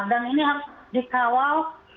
dan ini harus dikawal